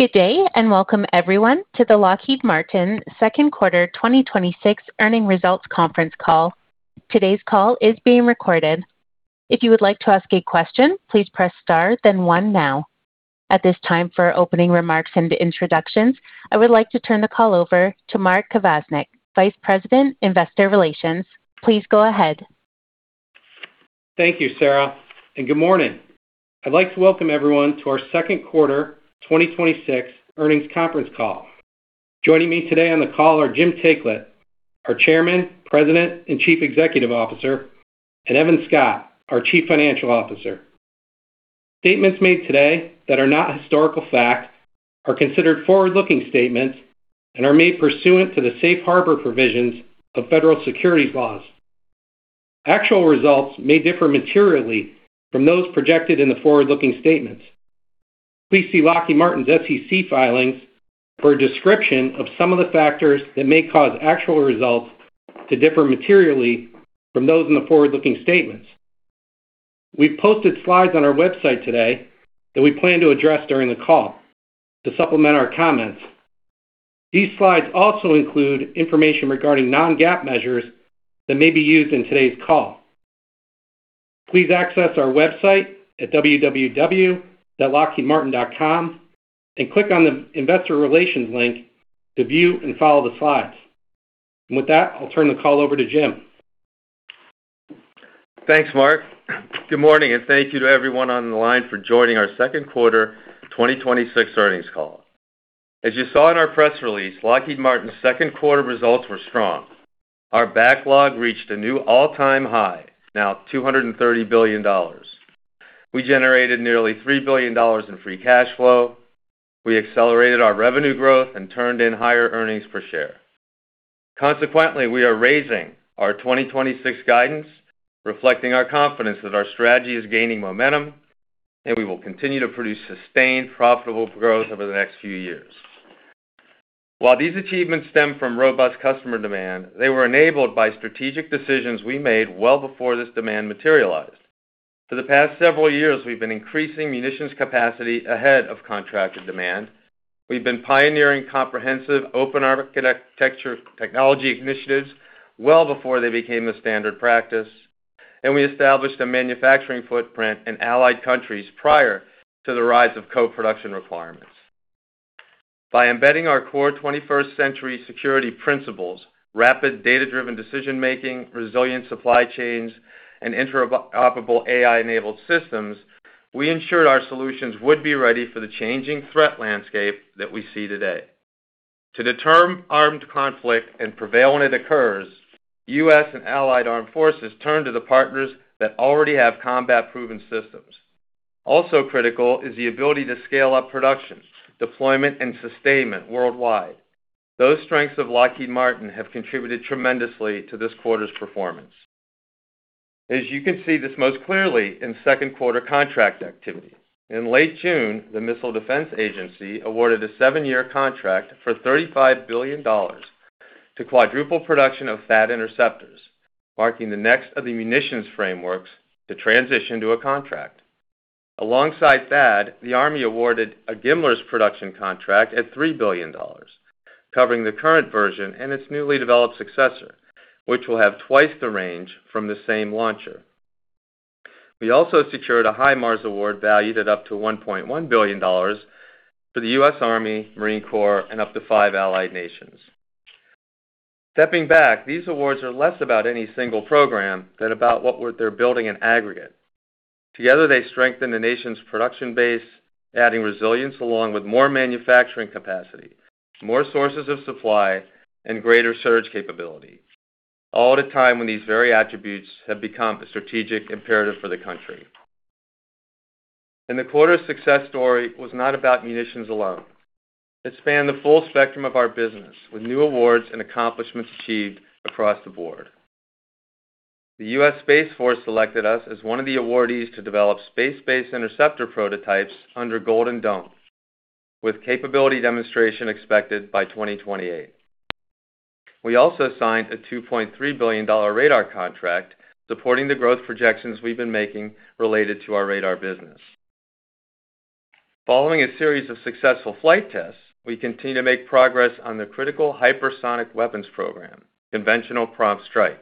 Good day, welcome everyone to the Lockheed Martin second quarter 2026 earnings results conference call. Today's call is being recorded. If you would like to ask a question, please press star then one now. At this time for opening remarks and introductions, I would like to turn the call over to Mark Kvasnak, Vice President, Investor Relations. Please go ahead. Thank you, Sarah. Good morning. I'd like to welcome everyone to our second quarter 2026 earnings conference call. Joining me today on the call are Jim Taiclet, our Chairman, President, and Chief Executive Officer, and Evan Scott, our Chief Financial Officer. Statements made today that are not historical fact are considered forward-looking statements and are made pursuant to the safe harbor provisions of federal securities laws. Actual results may differ materially from those projected in the forward-looking statements. Please see Lockheed Martin's SEC filings for a description of some of the factors that may cause actual results to differ materially from those in the forward-looking statements. We've posted slides on our website today that we plan to address during the call to supplement our comments. These slides also include information regarding non-GAAP measures that may be used in today's call. Please access our website at www.lockheedmartin.com and click on the investor relations link to view and follow the slides. With that, I'll turn the call over to Jim. Thanks, Mark. Good morning. Thank you to everyone on the line for joining our second quarter 2026 earnings call. As you saw in our press release, Lockheed Martin's second quarter results were strong. Our backlog reached a new all-time high, now $230 billion. We generated nearly $3 billion in free cash flow. We accelerated our revenue growth and turned in higher earnings per share. Consequently, we are raising our 2026 guidance, reflecting our confidence that our strategy is gaining momentum, and we will continue to produce sustained profitable growth over the next few years. While these achievements stem from robust customer demand, they were enabled by strategic decisions we made well before this demand materialized. For the past several years, we've been increasing munitions capacity ahead of contracted demand. We've been pioneering comprehensive open architecture technology initiatives well before they became a standard practice. We established a manufacturing footprint in allied countries prior to the rise of co-production requirements. By embedding our core 21st-century security principles, rapid data-driven decision making, resilient supply chains, and interoperable AI-enabled systems, we ensured our solutions would be ready for the changing threat landscape that we see today. To deter armed conflict and prevail when it occurs, U.S. and allied armed forces turn to the partners that already have combat-proven systems. Also critical is the ability to scale up production, deployment, and sustainment worldwide. Those strengths of Lockheed Martin have contributed tremendously to this quarter's performance. As you can see this most clearly in second quarter contract activities. In late June, the Missile Defense Agency awarded a seven-year contract for $35 billion to quadruple production of THAAD interceptors, marking the next of the munitions frameworks to transition to a contract. Alongside THAAD, the Army awarded a GMLRS production contract at $3 billion, covering the current version and its newly developed successor, which will have twice the range from the same launcher. We also secured a HIMARS award valued at up to $1.1 billion for the U.S. Army, Marine Corps, and up to five allied nations. Stepping back, these awards are less about any single program than about what they're building in aggregate. Together, they strengthen the nation's production base, adding resilience along with more manufacturing capacity, more sources of supply, and greater surge capability, all at a time when these very attributes have become a strategic imperative for the country. The quarter's success story was not about munitions alone. It spanned the full spectrum of our business, with new awards and accomplishments achieved across the board. The U.S. Space Force selected us as one of the awardees to develop space-based interceptor prototypes under Golden Dome, with capability demonstration expected by 2028. We also signed a $2.3 billion radar contract supporting the growth projections we've been making related to our radar business. Following a series of successful flight tests, we continue to make progress on the critical hypersonic weapons program, Conventional Prompt Strike.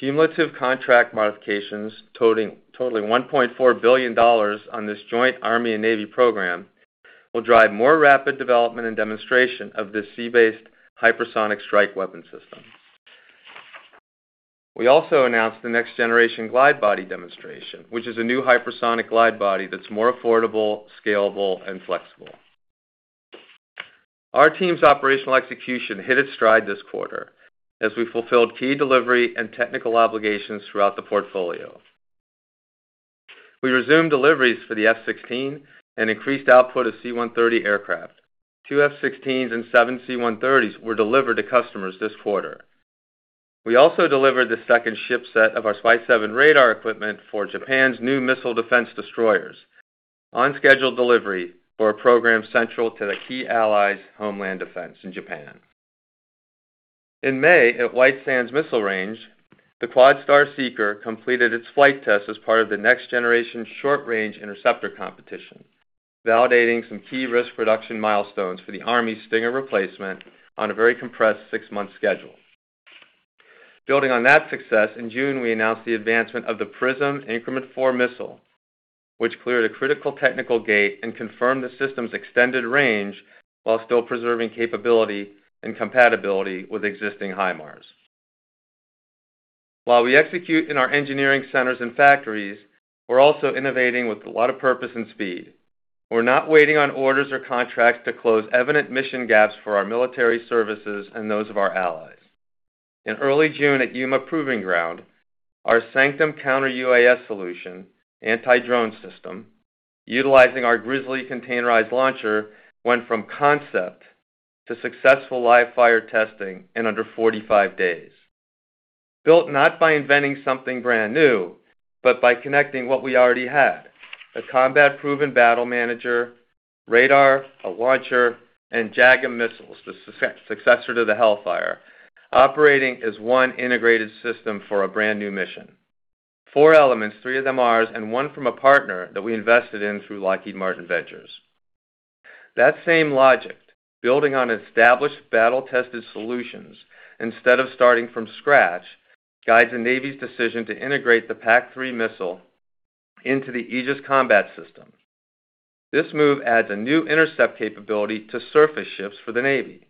Cumulative contract modifications totaling $1.4 billion on this joint Army and Navy program will drive more rapid development and demonstration of this sea-based hypersonic strike weapon system. We also announced the next generation glide body demonstration, which is a new hypersonic glide body that's more affordable, scalable, and flexible. Our team's operational execution hit its stride this quarter as we fulfilled key delivery and technical obligations throughout the portfolio. We resumed deliveries for the F-16 and increased output of C-130 aircraft. Two F-16s and seven C-130s were delivered to customers this quarter. We also delivered the second ship set of our SPY-7 radar equipment for Japan's new missile defense destroyers on scheduled delivery for a program central to the key ally's homeland defense in Japan. In May, at White Sands Missile Range, the QuadStar Seeker completed its flight test as part of the Next Generation Short Range Interceptor competition, validating some key risk reduction milestones for the Army's Stinger replacement on a very compressed six-month schedule. Building on that success, in June, we announced the advancement of the PrSM Increment 4 missile, which cleared a critical technical gate and confirmed the system's extended range while still preserving capability and compatibility with existing HIMARS. While we execute in our engineering centers and factories, we're also innovating with a lot of purpose and speed. We're not waiting on orders or contracts to close evident mission gaps for our military services and those of our allies. In early June, at Yuma Proving Ground, our Sanctum Counter-UAS solution, anti-drone system, utilizing our Grizzly containerized launcher, went from concept to successful live fire testing in under 45 days. Built not by inventing something brand new, but by connecting what we already had, a combat-proven battle manager, radar, a launcher, and JAGM missiles, the successor to the Hellfire, operating as one integrated system for a brand new mission. Four elements, three of them ours, and one from a partner that we invested in through Lockheed Martin Ventures. That same logic, building on established battle-tested solutions instead of starting from scratch, guides the Navy's decision to integrate the PAC-3 missile into the Aegis Combat System. This move adds a new intercept capability to surface ships for the Navy.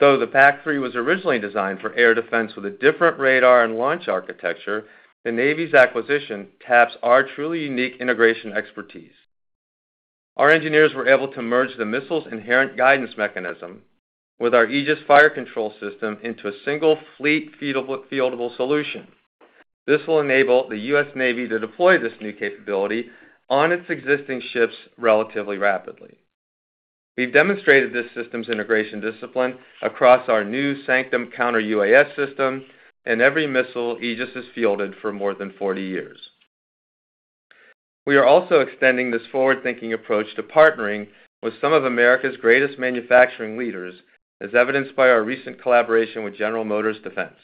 Though the PAC-3 was originally designed for air defense with a different radar and launch architecture, the Navy's acquisition taps our truly unique integration expertise. Our engineers were able to merge the missile's inherent guidance mechanism with our Aegis fire control system into a single fleet fieldable solution. This will enable the U.S. Navy to deploy this new capability on its existing ships relatively rapidly. We've demonstrated this system's integration discipline across our new Sanctum Counter-UAS system and every missile Aegis has fielded for more than 40 years. We are also extending this forward-thinking approach to partnering with some of America's greatest manufacturing leaders, as evidenced by our recent collaboration with GM Defense.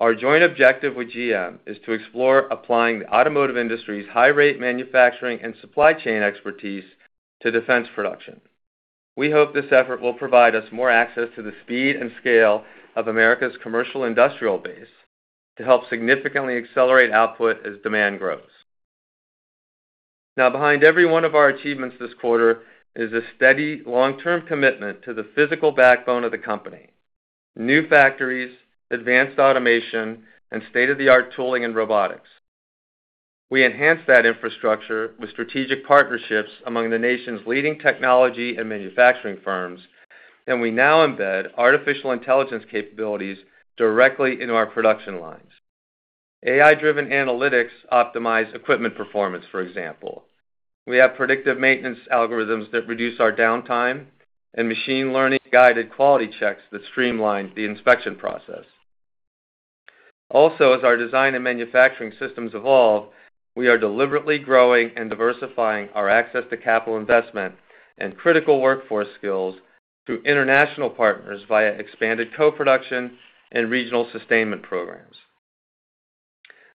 Our joint objective with GM is to explore applying the automotive industry's high rate manufacturing and supply chain expertise to defense production. We hope this effort will provide us more access to the speed and scale of America's commercial industrial base to help significantly accelerate output as demand grows. Now, behind every one of our achievements this quarter is a steady, long-term commitment to the physical backbone of the company, new factories, advanced automation, and state-of-the-art tooling and robotics. We enhance that infrastructure with strategic partnerships among the nation's leading technology and manufacturing firms, we now embed artificial intelligence capabilities directly into our production lines. AI-driven analytics optimize equipment performance, for example. We have predictive maintenance algorithms that reduce our downtime and machine learning-guided quality checks that streamline the inspection process. As our design and manufacturing systems evolve, we are deliberately growing and diversifying our access to capital investment and critical workforce skills through international partners via expanded co-production and regional sustainment programs.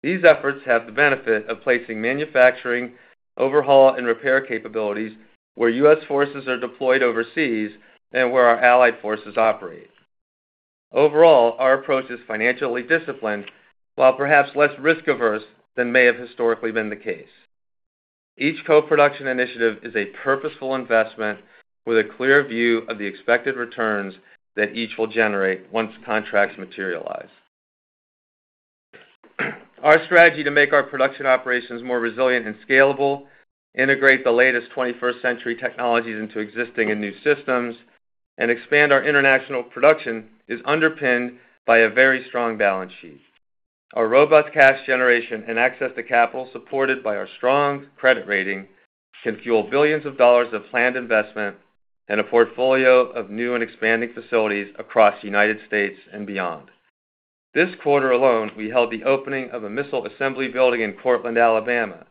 These efforts have the benefit of placing manufacturing, overhaul, and repair capabilities where U.S. forces are deployed overseas and where our allied forces operate. Overall, our approach is financially disciplined, while perhaps less risk-averse than may have historically been the case. Each co-production initiative is a purposeful investment with a clear view of the expected returns that each will generate once contracts materialize. Our strategy to make our production operations more resilient and scalable, integrate the latest 21st century technologies into existing and new systems, and expand our international production is underpinned by a very strong balance sheet. Our robust cash generation and access to capital supported by our strong credit rating can fuel billions of dollars of planned investment and a portfolio of new and expanding facilities across the U.S. and beyond. This quarter alone, we held the opening of a missile assembly building in Courtland, Alabama,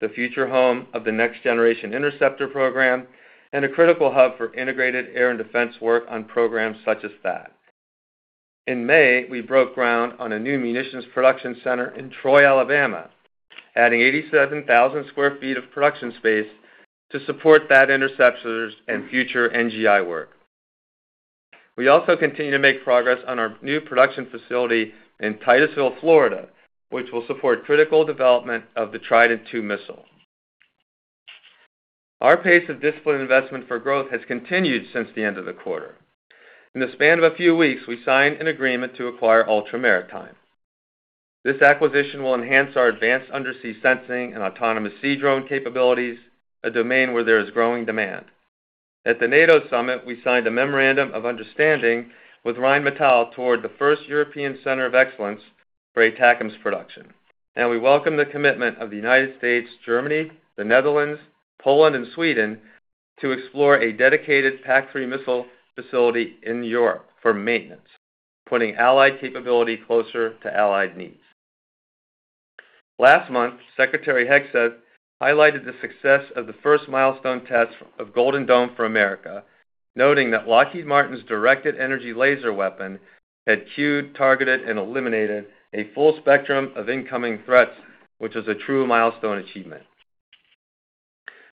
the future home of the Next Generation Interceptor program and a critical hub for integrated air and defense work on programs such as THAAD. In May, we broke ground on a new munitions production center in Troy, Alabama, adding 87,000 sq ft of production space to support that interceptors and future NGI work. We also continue to make progress on our new production facility in Titusville, Florida, which will support critical development of the Trident II missile. Our pace of disciplined investment for growth has continued since the end of the quarter. In the span of a few weeks, we signed an agreement to acquire Ultra Maritime. This acquisition will enhance our advanced undersea sensing and autonomous sea drone capabilities, a domain where there is growing demand. At the NATO summit, we signed a memorandum of understanding with Rheinmetall toward the first European Center of Excellence for ATACMS production. We welcome the commitment of the U.S., Germany, the Netherlands, Poland, and Sweden to explore a dedicated PAC-3 missile facility in Europe for maintenance, putting allied capability closer to allied needs. Last month, Secretary Pete highlighted the success of the first milestone test of Golden Dome for America, noting that Lockheed Martin's directed energy laser weapon had cued, targeted, and eliminated a full spectrum of incoming threats, which is a true milestone achievement.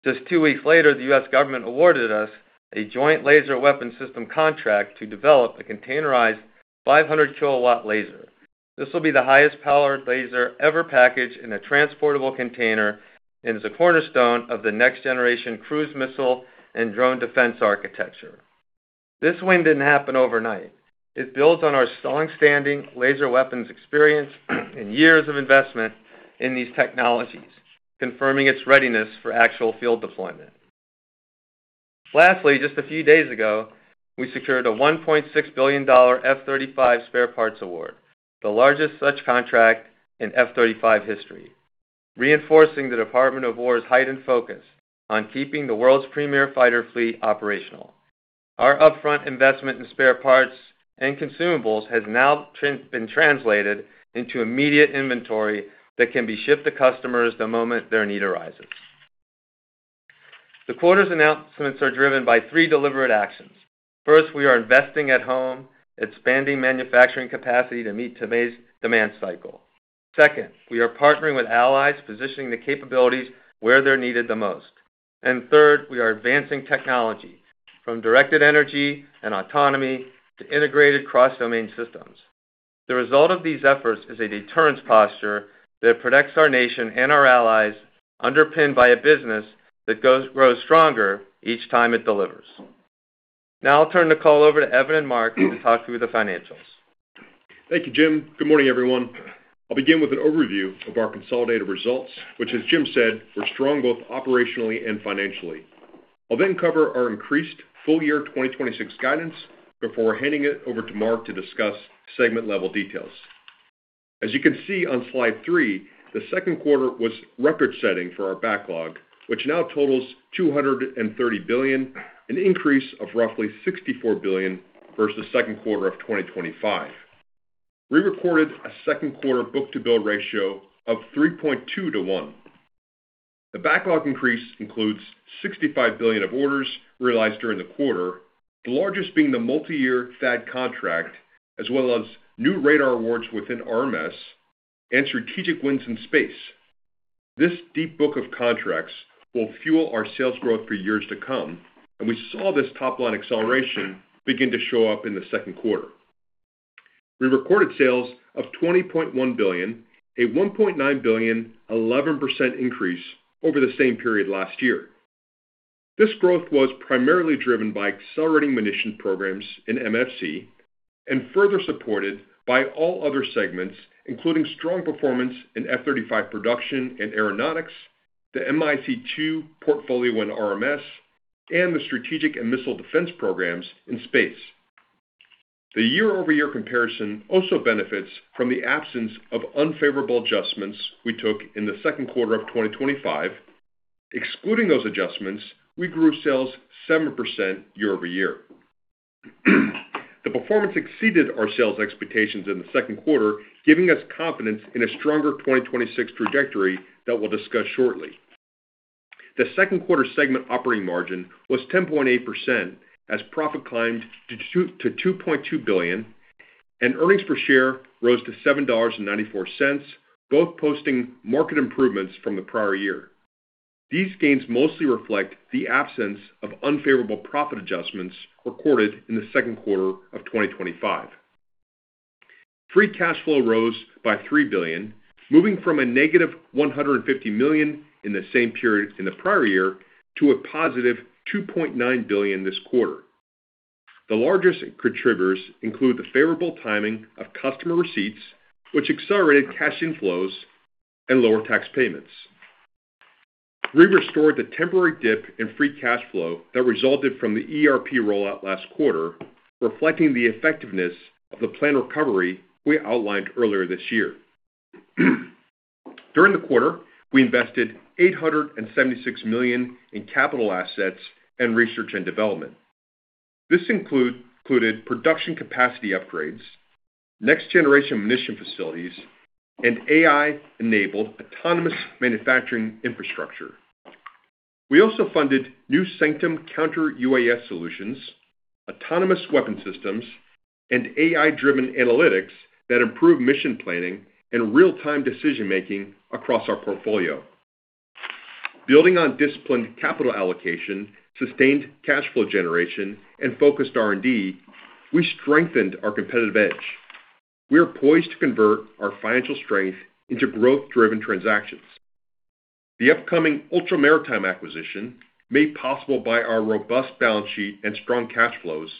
Just two weeks later, the U.S. government awarded us a joint laser weapon system contract to develop a containerized 500 kW laser. This will be the highest powered laser ever packaged in a transportable container and is a cornerstone of the next generation cruise missile and drone defense architecture. This win didn't happen overnight. It builds on our longstanding laser weapons experience and years of investment in these technologies, confirming its readiness for actual field deployment. Lastly, just a few days ago, we secured a $1.6 billion F-35 spare parts award, the largest such contract in F-35 history, reinforcing the Department of Defense's heightened focus on keeping the world's premier fighter fleet operational. Our upfront investment in spare parts and consumables has now been translated into immediate inventory that can be shipped to customers the moment their need arises. The quarter's announcements are driven by three deliberate actions. First, we are investing at home, expanding manufacturing capacity to meet today's demand cycle. Second, we are partnering with allies, positioning the capabilities where they're needed the most. Third, we are advancing technology from directed energy and autonomy to integrated cross-domain systems. The result of these efforts is a deterrence posture that protects our nation and our allies, underpinned by a business that grows stronger each time it delivers. Now I'll turn the call over to Evan and Mark to talk through the financials. Thank you, Jim. Good morning, everyone. I'll begin with an overview of our consolidated results, which, as Jim said, were strong both operationally and financially. I'll then cover our increased full year 2026 guidance before handing it over to Mark to discuss segment-level details. As you can see on slide three, the second quarter was record-setting for our backlog, which now totals $230 billion, an increase of roughly $64 billion versus second quarter of 2025. We recorded a second quarter book-to-bill ratio of 3.2:1. The backlog increase includes $65 billion of orders realized during the quarter, the largest being the multi-year THAAD contract, as well as new radar awards within RMS and strategic wins in Space. This deep book of contracts will fuel our sales growth for years to come, and we saw this top-line acceleration begin to show up in the second quarter. We recorded sales of $20.1 billion, a $1.9 billion, 11% increase over the same period last year. This growth was primarily driven by accelerating munition programs in MFC and further supported by all other segments, including strong performance in F-35 production and Aeronautics, the COSMIC-2 portfolio in RMS, and the strategic and missile defense programs in Space. The year-over-year comparison also benefits from the absence of unfavorable adjustments we took in the second quarter of 2025. Excluding those adjustments, we grew sales 7% year-over-year. The performance exceeded our sales expectations in the second quarter, giving us confidence in a stronger 2026 trajectory that we'll discuss shortly. The second quarter segment operating margin was 10.8% as profit climbed to $2.2 billion, and earnings per share rose to $7.94, both posting market improvements from the prior year. These gains mostly reflect the absence of unfavorable profit adjustments recorded in the second quarter of 2025. Free cash flow rose by $3 billion, moving from -$150 million in the same period in the prior year to +$2.9 billion this quarter. The largest contributors include the favorable timing of customer receipts, which accelerated cash inflows and lower tax payments. We restored the temporary dip in free cash flow that resulted from the ERP rollout last quarter, reflecting the effectiveness of the plan recovery we outlined earlier this year. During the quarter, we invested $876 million in capital assets in research and development. This included production capacity upgrades, next generation munition facilities, and AI-enabled autonomous manufacturing infrastructure. We also funded new Sanctum Counter-UAS solutions, autonomous weapon systems, and AI-driven analytics that improve mission planning and real-time decision-making across our portfolio. Building on disciplined capital allocation, sustained cash flow generation, and focused R&D, we strengthened our competitive edge. We are poised to convert our financial strength into growth-driven transactions. The upcoming Ultra Maritime acquisition, made possible by our robust balance sheet and strong cash flows,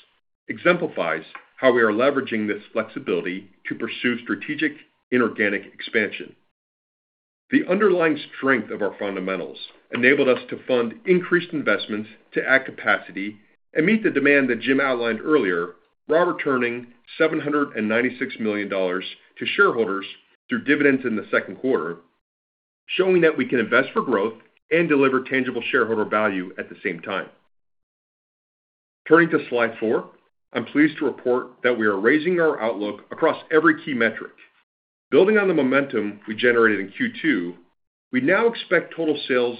exemplifies how we are leveraging this flexibility to pursue strategic inorganic expansion. The underlying strength of our fundamentals enabled us to fund increased investments to add capacity and meet the demand that Jim outlined earlier, while returning $796 million to shareholders through dividends in the second quarter, showing that we can invest for growth and deliver tangible shareholder value at the same time. Turning to slide four. I'm pleased to report that we are raising our outlook across every key metric. Building on the momentum we generated in Q2, we now expect total sales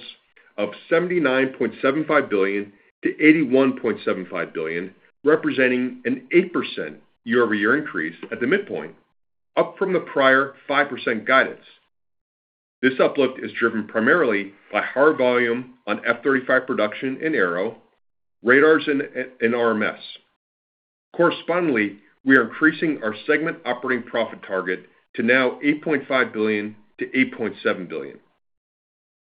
of $79.75 billion-$81.75 billion, representing an 8% year-over-year increase at the midpoint, up from the prior 5% guidance. This uplift is driven primarily by higher volume on F-35 production in Aeronautics, radars in Rotary and Mission Systems. Correspondingly, we are increasing our segment operating profit target to now $8.5 billion-$8.7 billion.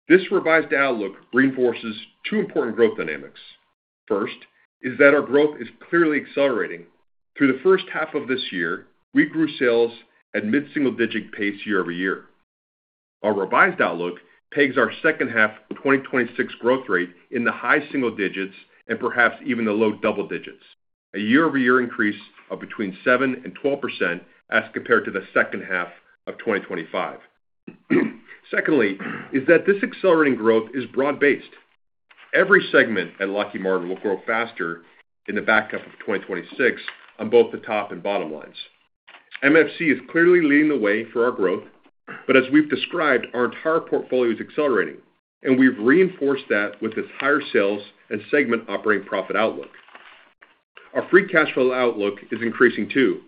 This revised outlook reinforces two important growth dynamics. First, is that our growth is clearly accelerating. Through the first half of this year, we grew sales at mid-single-digit pace year-over-year. Our revised outlook pegs our second half of 2026 growth rate in the high single digits and perhaps even the low double digits, a year-over-year increase of between 7% and 12% as compared to the second half of 2025. Secondly, is that this accelerating growth is broad-based. Every segment at Lockheed Martin will grow faster in the back half of 2026 on both the top and bottom lines. Missiles and Fire Control is clearly leading the way for our growth. As we've described, our entire portfolio is accelerating, and we've reinforced that with this higher sales and segment operating profit outlook. Our free cash flow outlook is increasing, too.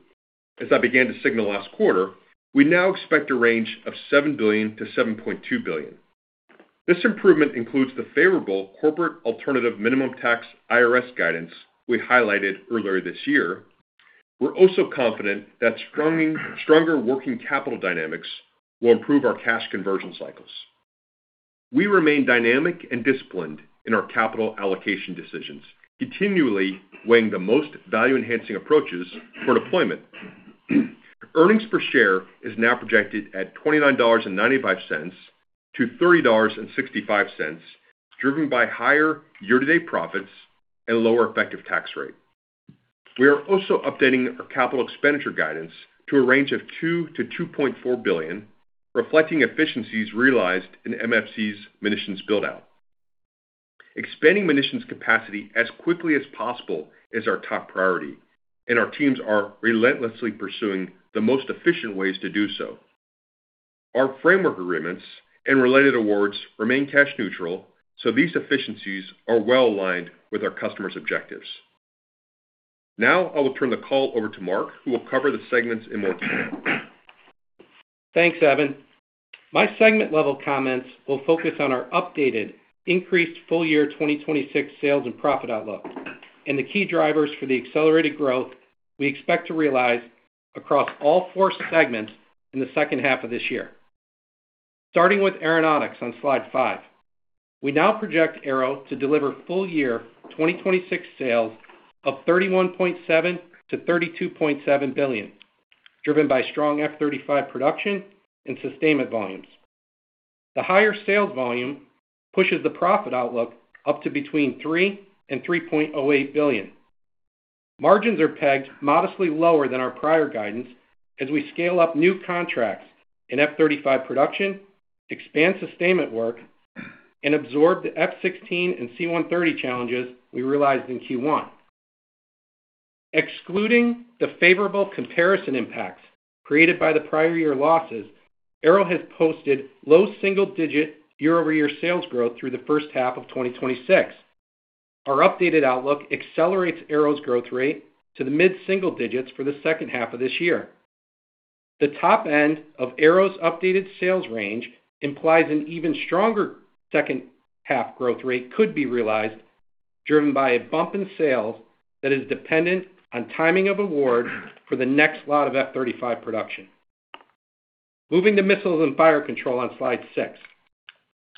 As I began to signal last quarter, we now expect a range of $7 billion-$7.2 billion. This improvement includes the favorable Corporate Alternative Minimum Tax Internal Revenue Service guidance we highlighted earlier this year. We're also confident that stronger working capital dynamics will improve our cash conversion cycles. We remain dynamic and disciplined in our capital allocation decisions, continually weighing the most value-enhancing approaches for deployment. Earnings per share is now projected at $29.95-$30.65, driven by higher year-to-date profits and a lower effective tax rate. We are also updating our capital expenditure guidance to a range of $2 billion-$2.4 billion, reflecting efficiencies realized in Missiles and Fire Control's munitions build-out. Expanding munitions capacity as quickly as possible is our top priority. Our teams are relentlessly pursuing the most efficient ways to do so. Our framework agreements and related awards remain cash neutral, so these efficiencies are well-aligned with our customers' objectives. I will turn the call over to Mark, who will cover the segments in more detail. Thanks, Evan. My segment-level comments will focus on our updated, increased full-year 2026 sales and profit outlook. The key drivers for the accelerated growth we expect to realize across all four segments in the second half of this year. Starting with Aeronautics on slide five. We now project Aeronautics to deliver full-year 2026 sales of $31.7 billion-$32.7 billion, driven by strong F-35 production and sustainment volumes. The higher sales volume pushes the profit outlook up to between $3 billion and $3.08 billion. Margins are pegged modestly lower than our prior guidance as we scale up new contracts in F-35 production, expand sustainment work, and absorb the F-16 and C-130 challenges we realized in Q1. Excluding the favorable comparison impacts created by the prior year losses, Aeronautics has posted low single-digit year-over-year sales growth through the first half of 2026. Our updated outlook accelerates Aeronautics' growth rate to the mid-single digits for the second half of this year. The top end of Aeronautics' updated sales range implies an even stronger second half growth rate could be realized, driven by a bump in sales that is dependent on timing of award for the next lot of F-35 production. Moving to Missiles and Fire Control on slide six.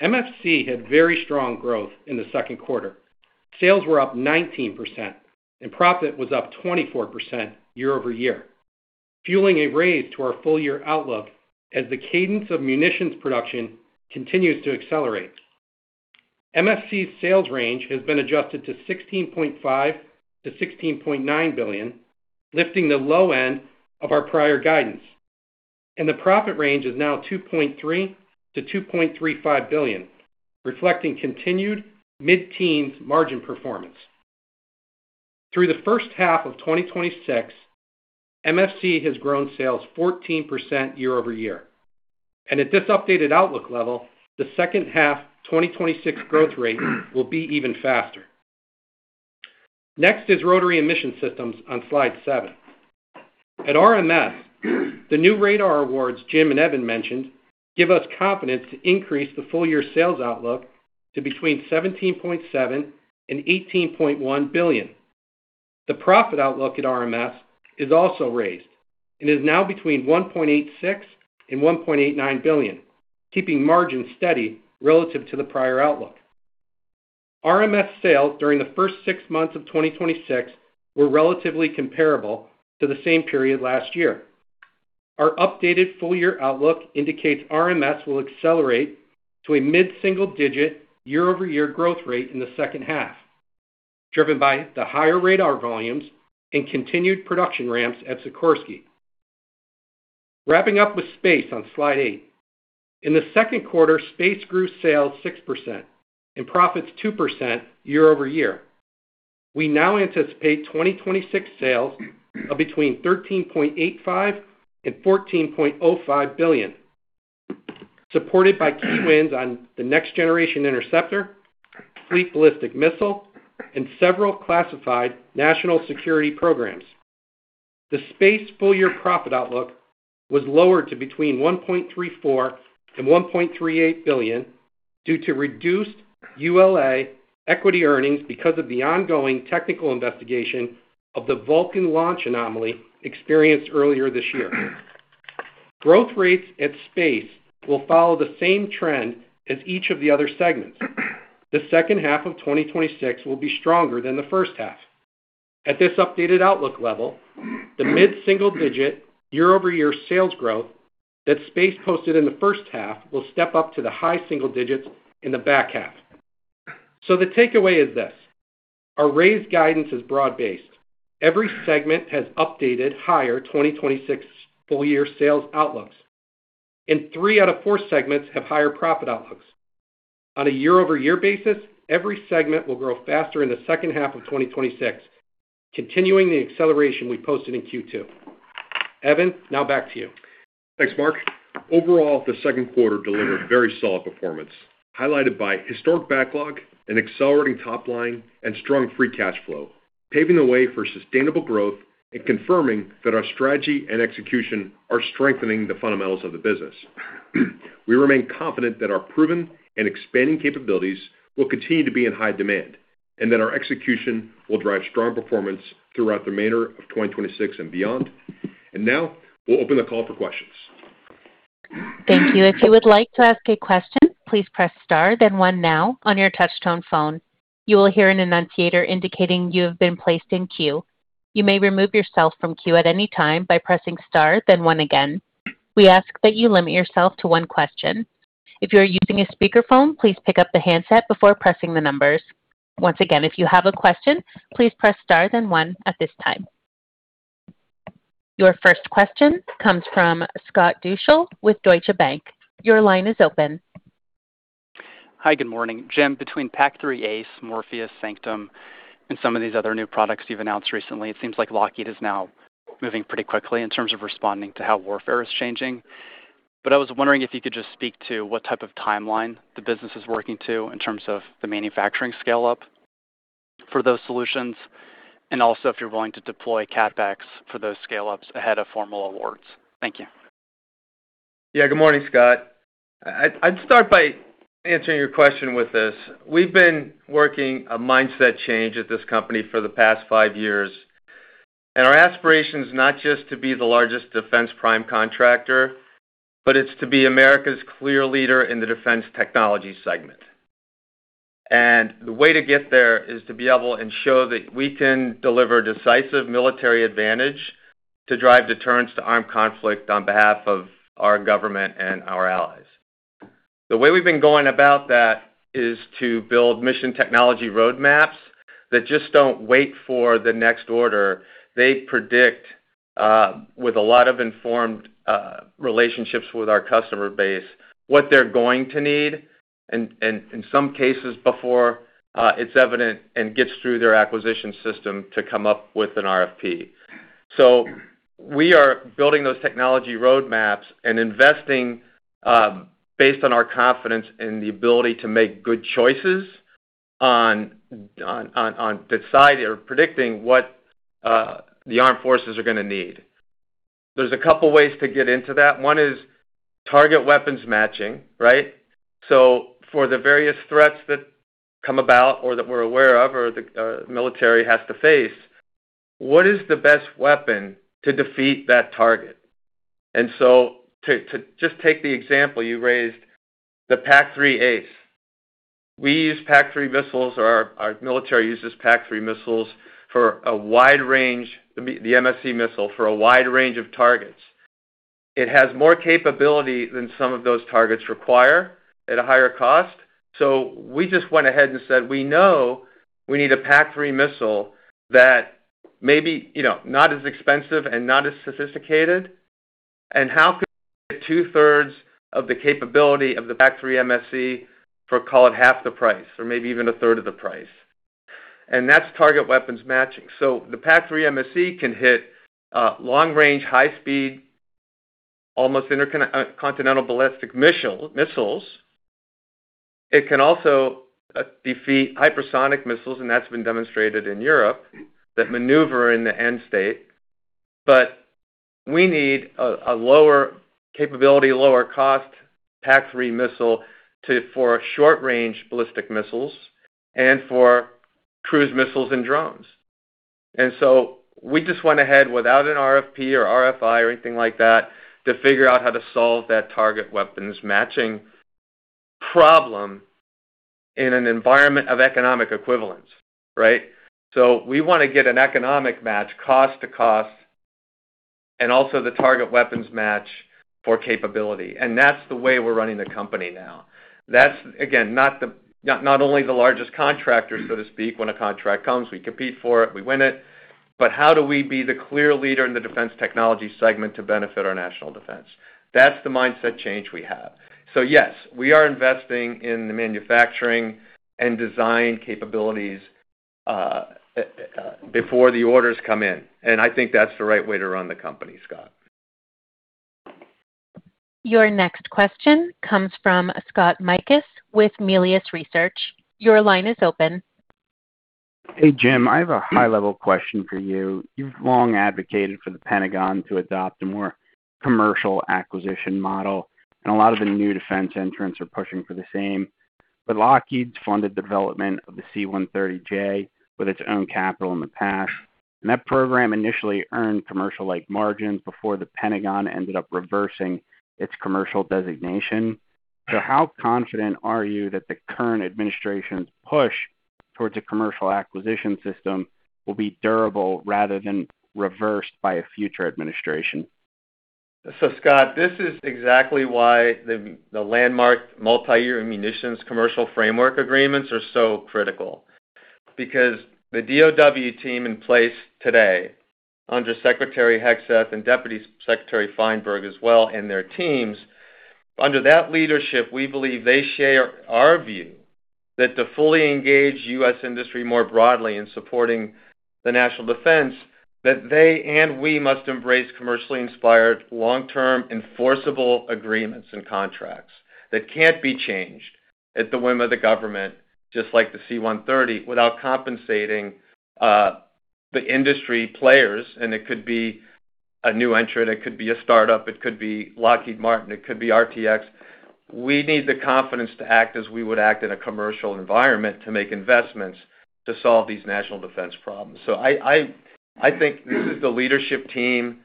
MFC had very strong growth in the second quarter. Sales were up 19% and profit was up 24% year-over-year, fueling a raise to our full-year outlook as the cadence of munitions production continues to accelerate. MFC's sales range has been adjusted to $16.5 billion-$16.9 billion, lifting the low end of our prior guidance. The profit range is now $2.3 billion-$2.35 billion, reflecting continued mid-teens margin performance. Through the first half of 2026, MFC has grown sales 14% year-over-year, and at this updated outlook level, the second half 2026 growth rate will be even faster. Next is Rotary and Mission Systems on slide seven. At RMS, the new radar awards Jim and Evan mentioned give us confidence to increase the full-year sales outlook to between $17.7 billion and $18.1 billion. The profit outlook at RMS is also raised and is now between $1.86 billion and $1.89 billion, keeping margins steady relative to the prior outlook. RMS sales during the first six months of 2026 were relatively comparable to the same period last year. Our updated full-year outlook indicates RMS will accelerate to a mid-single digit year-over-year growth rate in the second half, driven by the higher radar volumes and continued production ramps at Sikorsky. Wrapping up with Space on slide eight. In the second quarter, Space grew sales 6% and profits 2% year-over-year. We now anticipate 2026 sales of between $13.85 billion and $14.05 billion, supported by key wins on the Next Generation Interceptor, Fleet Ballistic Missile, and several classified national security programs. The Space full year profit outlook was lowered to between $1.34 billion and $1.38 billion due to reduced ULA equity earnings because of the ongoing technical investigation of the Vulcan launch anomaly experienced earlier this year. Growth rates at Space will follow the same trend as each of the other segments. The second half of 2026 will be stronger than the first half. At this updated outlook level, the mid-single digit year-over-year sales growth that Space posted in the first half will step up to the high single digits in the back half. The takeaway is this: our raised guidance is broad-based. Every segment has updated higher 2026 full year sales outlooks, and three out of four segments have higher profit outlooks. On a year-over-year basis, every segment will grow faster in the second half of 2026, continuing the acceleration we posted in Q2. Evan, now back to you. Thanks, Mark. Overall, the second quarter delivered very solid performance, highlighted by historic backlog and accelerating top line and strong free cash flow, paving the way for sustainable growth and confirming that our strategy and execution are strengthening the fundamentals of the business. We remain confident that our proven and expanding capabilities will continue to be in high demand and that our execution will drive strong performance throughout the remainder of 2026 and beyond. Now we'll open the call for questions. Thank you. If you would like to ask a question, please press star then one now on your touchtone phone. You will hear an annunciator indicating you have been placed in queue. You may remove yourself from queue at any time by pressing star then one again. We ask that you limit yourself to one question. If you are using a speakerphone, please pick up the handset before pressing the numbers. Once again, if you have a question, please press star then one at this time. Your first question comes from Scott Deuschle with Deutsche Bank. Your line is open. Hi. Good morning. Jim, between PAC-3 ACE, MORFIUS, Sanctum, and some of these other new products you've announced recently, it seems like Lockheed is now moving pretty quickly in terms of responding to how warfare is changing. I was wondering if you could just speak to what type of timeline the business is working to in terms of the manufacturing scale-up for those solutions, and also if you're willing to deploy CapEx for those scale-ups ahead of formal awards. Thank you. Yeah. Good morning, Scott. I'd start by answering your question with this. We've been working a mindset change at this company for the past five years. Our aspiration is not just to be the largest defense prime contractor, but it's to be America's clear leader in the defense technology segment. The way to get there is to be able and show that we can deliver decisive military advantage to drive deterrence to armed conflict on behalf of our government and our allies. The way we've been going about that is to build mission technology roadmaps that just don't wait for the next order. They predict, with a lot of informed relationships with our customer base, what they're going to need, and in some cases, before it's evident and gets through their acquisition system to come up with an RFP. We are building those technology roadmaps and investing based on our confidence in the ability to make good choices on predicting what the armed forces are going to need. There's a couple ways to get into that. One is target weapons matching, right? For the various threats that come about or that we're aware of or the military has to face, what is the best weapon to defeat that target? To just take the example you raised, the PAC-3 ACE. We use PAC-3 missiles, or our military uses PAC-3 missiles for a wide range, the MSE missile, for a wide range of targets. It has more capability than some of those targets require at a higher cost. We just went ahead and said, we know we need a PAC-3 missile that maybe not as expensive and not as sophisticated, and how could two-thirds of the capability of the PAC-3 MSE for, call it, half the price or maybe even a third of the price? That's target weapons matching. The PAC-3 MSE can hit long range, high speed, almost intercontinental ballistic missiles. It can also defeat hypersonic missiles, and that's been demonstrated in Europe, that maneuver in the end state. We need a lower capability, lower cost PAC-3 missile for short range ballistic missiles and for cruise missiles and drones. We just went ahead without an RFP or RFI or anything like that to figure out how to solve that target weapons matching problem in an environment of economic equivalence, right? We want to get an economic match, cost to cost, and also the target weapons match. For capability. That's the way we're running the company now. That's, again, not only the largest contractor, so to speak. When a contract comes, we compete for it, we win it. How do we be the clear leader in the defense technology segment to benefit our national defense? That's the mindset change we have. Yes, we are investing in the manufacturing and design capabilities, before the orders come in, and I think that's the right way to run the company, Scott. Your next question comes from Scott Mikus with Melius Research. Your line is open. Hey, Jim. I have a high-level question for you. You've long advocated for the Pentagon to adopt a more commercial acquisition model, and a lot of the new defense entrants are pushing for the same. Lockheed's funded development of the C-130J with its own capital in the past, and that program initially earned commercial-like margins before the Pentagon ended up reversing its commercial designation. How confident are you that the current administration's push towards a commercial acquisition system will be durable rather than reversed by a future administration? Scott, this is exactly why the landmark multiyear munitions commercial framework agreements are so critical, because the DOD team in place today, under Secretary Hegseth and Deputy Secretary Feinberg as well, and their teams, under that leadership, we believe they share our view that to fully engage U.S. industry more broadly in supporting the national defense, that they and we must embrace commercially inspired long-term enforceable agreements and contracts that can't be changed at the whim of the government, just like the C-130, without compensating the industry players, and it could be a new entrant, it could be a startup, it could be Lockheed Martin, it could be RTX. We need the confidence to act as we would act in a commercial environment to make investments to solve these national defense problems. I think this is the leadership team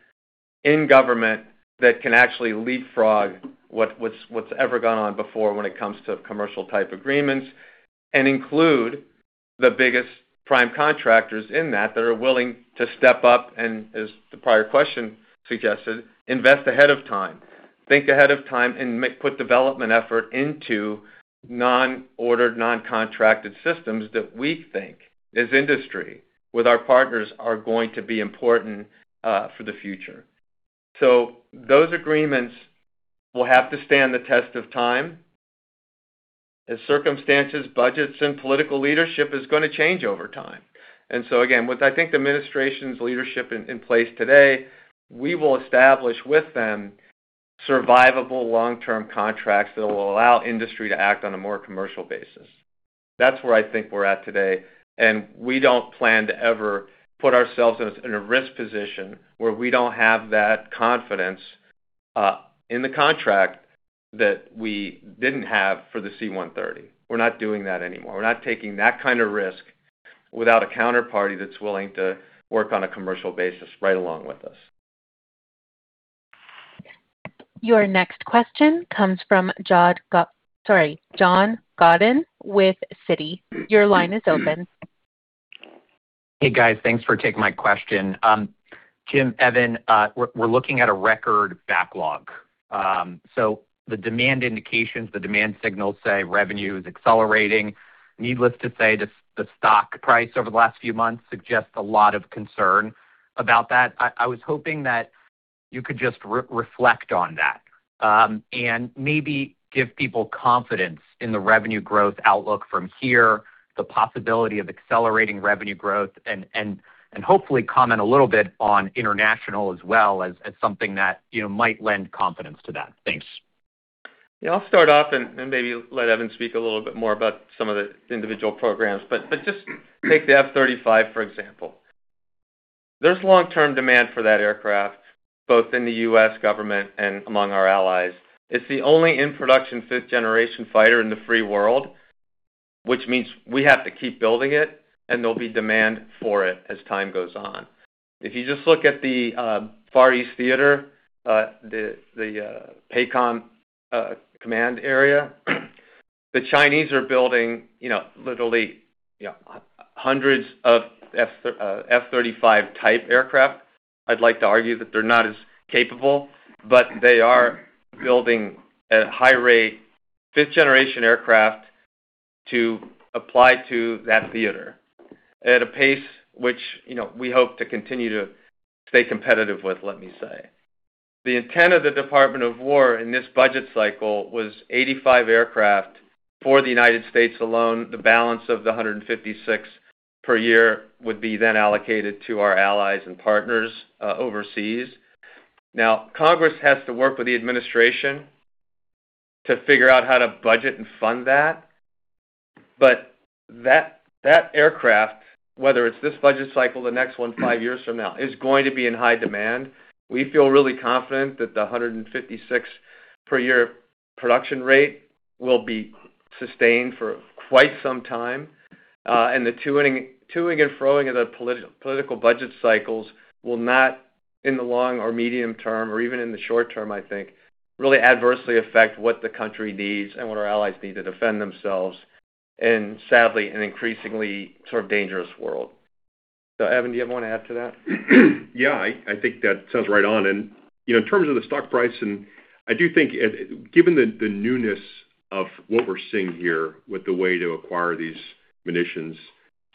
in government that can actually leapfrog what's ever gone on before when it comes to commercial-type agreements and include the biggest prime contractors in that are willing to step up and, as the prior question suggested, invest ahead of time, think ahead of time, and put development effort into non-ordered, non-contracted systems that we think, as industry, with our partners, are going to be important for the future. Those agreements will have to stand the test of time as circumstances, budgets, and political leadership is going to change over time. Again, with, I think, the administration's leadership in place today, we will establish with them survivable long-term contracts that will allow industry to act on a more commercial basis. That's where I think we're at today. We don't plan to ever put ourselves in a risk position where we don't have that confidence in the contract that we didn't have for the C-130. We're not doing that anymore. We're not taking that kind of risk without a counterparty that's willing to work on a commercial basis right along with us. Your next question comes from John Godden with Citi. Your line is open. Hey, guys. Thanks for taking my question. Jim, Evan, we're looking at a record backlog. The demand indications, the demand signals say revenue is accelerating. Needless to say, the stock price over the last few months suggests a lot of concern about that. I was hoping that you could just reflect on that, and maybe give people confidence in the revenue growth outlook from here, the possibility of accelerating revenue growth, and hopefully comment a little bit on international as well as something that might lend confidence to that. Thanks. I'll start off and maybe let Evan speak a little bit more about some of the individual programs. Just take the F-35, for example. There's long-term demand for that aircraft, both in the U.S. government and among our allies. It's the only in-production fifth-generation fighter in the free world, which means we have to keep building it and there'll be demand for it as time goes on. If you just look at the Far East theater, the PACOM command area, the Chinese are building literally hundreds of F-35 type aircraft. I'd like to argue that they're not as capable, but they are building at high rate, fifth-generation aircraft to apply to that theater at a pace which we hope to continue to stay competitive with, let me say. The intent of the Department of Defense in this budget cycle was 85 aircraft for the United States alone. The balance of the 156 per year would be then allocated to our allies and partners overseas. Congress has to work with the administration to figure out how to budget and fund that. That aircraft, whether it's this budget cycle, the next one, five years from now, is going to be in high demand. We feel really confident that the 156 per year production rate will be sustained for quite some time. The to-ing and fro-ing of the political budget cycles will not, in the long or medium term or even in the short term, I think, really adversely affect what the country needs and what our allies need to defend themselves in, sadly, an increasingly sort of dangerous world. Evan, do you have more to add to that? I think that sounds right on. In terms of the stock price, I do think, given the newness of what we're seeing here with the way to acquire these munitions,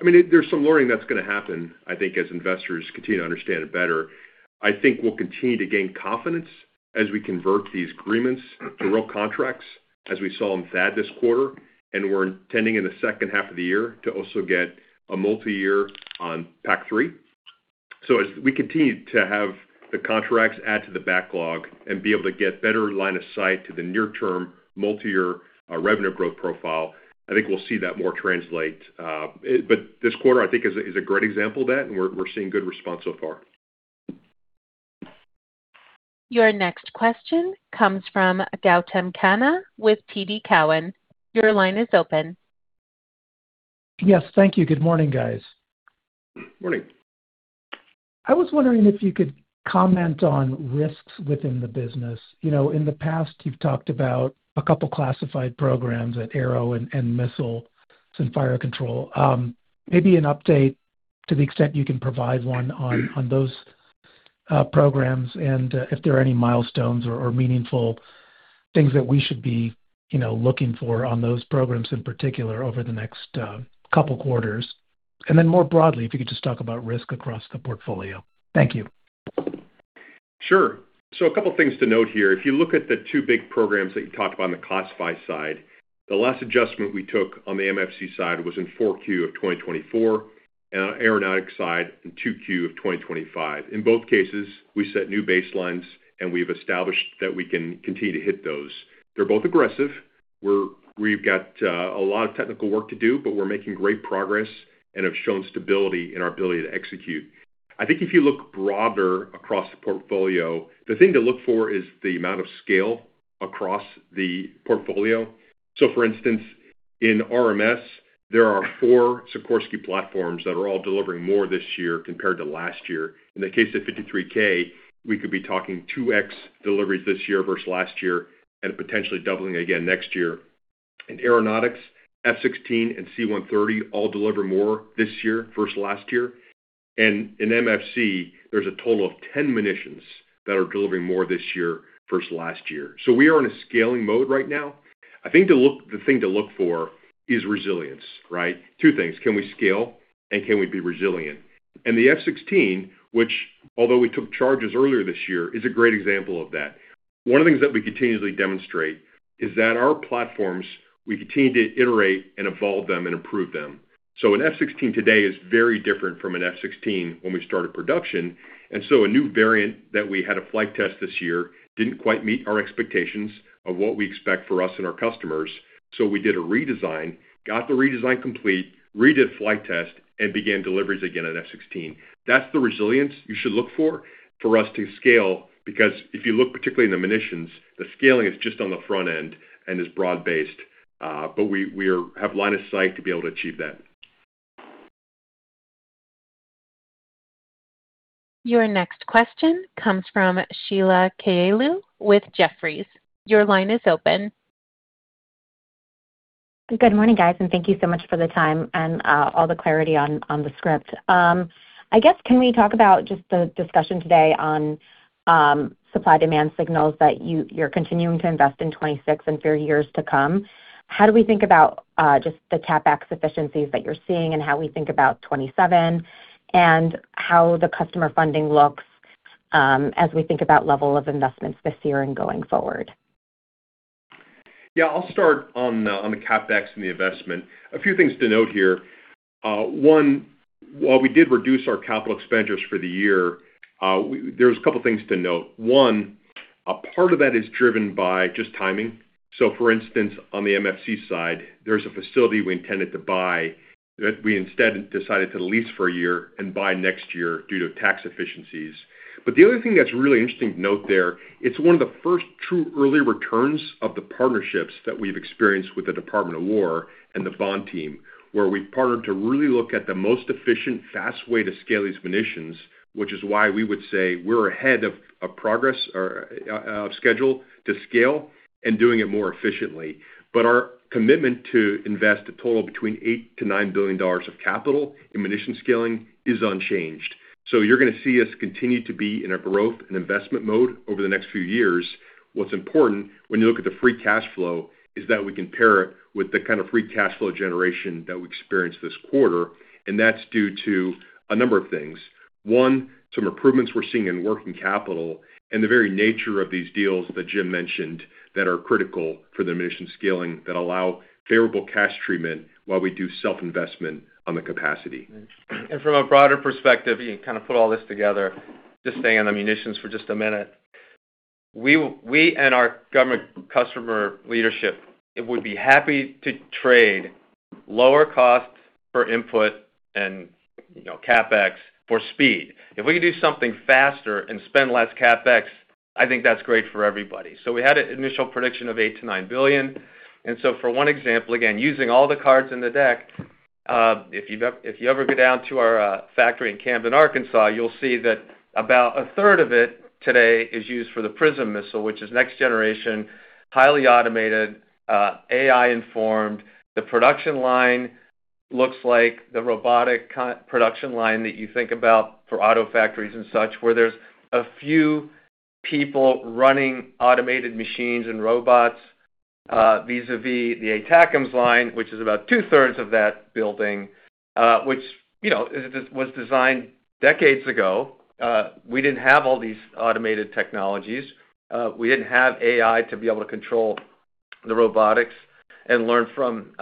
there's some learning that's going to happen, I think, as investors continue to understand it better. I think we'll continue to gain confidence as we convert these agreements to real contracts, as we saw in THAAD this quarter, and we're intending in the second half of the year to also get a multiyear on PAC-3. As we continue to have the contracts add to the backlog and be able to get better line of sight to the near-term multiyear revenue growth profile, I think we'll see that more translate. This quarter, I think, is a great example of that, and we're seeing good response so far. Your next question comes from Gautam Khanna with TD Cowen. Your line is open. Yes. Thank you. Good morning, guys. Morning. I was wondering if you could comment on risks within the business. In the past, you've talked about a couple classified programs at Aeronautics and Missiles and Fire Control. Maybe an update to the extent you can provide one on those programs and if there are any milestones or meaningful things that we should be looking for on those programs in particular over the next couple quarters. More broadly, if you could just talk about risk across the portfolio. Thank you. Sure. A couple things to note here. If you look at the two big programs that you talked about on the classified side, the last adjustment we took on the MFC side was in 4Q of 2024, and on Aeronautics side in 2Q of 2025. In both cases, we set new baselines, and we've established that we can continue to hit those. They're both aggressive. We've got a lot of technical work to do, but we're making great progress and have shown stability in our ability to execute. I think if you look broader across the portfolio, the thing to look for is the amount of scale across the portfolio. For instance, in RMS, there are four Sikorsky platforms that are all delivering more this year compared to last year. In the case of 53K, we could be talking 2x deliveries this year versus last year, and potentially doubling again next year. In Aeronautics, F-16 and C-130 all deliver more this year versus last year. In MFC, there's a total of 10 munitions that are delivering more this year versus last year. We are in a scaling mode right now. I think the thing to look for is resilience, right? Two things, can we scale and can we be resilient? The F-16, which although we took charges earlier this year, is a great example of that. One of the things that we continuously demonstrate is that our platforms, we continue to iterate and evolve them and improve them. An F-16 today is very different from an F-16 when we started production. A new variant that we had a flight test this year didn't quite meet our expectations of what we expect for us and our customers. We did a redesign, got the redesign complete, redid flight test, and began deliveries again on F-16. That's the resilience you should look for us to scale, because if you look particularly in the munitions, the scaling is just on the front end and is broad based. We have line of sight to be able to achieve that. Your next question comes from Sheila Kahyaoglu with Jefferies. Your line is open. Good morning, guys, thank you so much for the time and all the clarity on the script. I guess, can we talk about just the discussion today on supply-demand signals that you're continuing to invest in 2026 and for years to come? How do we think about just the CapEx efficiencies that you're seeing and how we think about 2027, and how the customer funding looks as we think about level of investments this year and going forward? Yeah, I'll start on the CapEx and the investment. A few things to note here. One, while we did reduce our capital expenditures for the year, there's a couple things to note. One, a part of that is driven by just timing. For instance, on the MFC side, there's a facility we intended to buy that we instead decided to lease for a year and buy next year due to tax efficiencies. The other thing that's really interesting to note there, it's one of the first true early returns of the partnerships that we've experienced with the Department of Defense and the VON team, where we've partnered to really look at the most efficient, fast way to scale these munitions, which is why we would say we're ahead of progress or of schedule to scale and doing it more efficiently. Our commitment to invest a total between $8 billion-$9 billion of capital in munition scaling is unchanged. You're going to see us continue to be in a growth and investment mode over the next few years. What's important when you look at the free cash flow is that we can pair it with the kind of free cash flow generation that we experienced this quarter, and that's due to a number of things. One, some improvements we're seeing in working capital and the very nature of these deals that Jim mentioned that are critical for the munition scaling that allow favorable cash treatment while we do self-investment on the capacity. From a broader perspective, you can kind of put all this together, just staying on the munitions for just a minute. We and our government customer leadership, it would be happy to trade lower costs for input and CapEx for speed. If we could do something faster and spend less CapEx, I think that's great for everybody. We had an initial prediction of $8 billion-$9 billion. For one example, again, using all the cards in the deck, if you ever go down to our factory in Camden, Arkansas, you'll see that about a third of it today is used for the PrSM missile, which is next generation, highly automated, AI informed. The production line Looks like the robotic production line that you think about for auto factories and such, where there's a few people running automated machines and robots, vis-a-vis the ATACMS line, which is about two-thirds of that building, which was designed decades ago. We didn't have all these automated technologies. We didn't have AI to be able to control the robotics and learn from